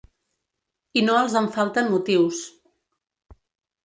I no els en falten motius.